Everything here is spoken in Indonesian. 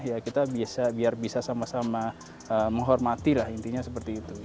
ya kita biar bisa sama sama menghormati lah intinya seperti itu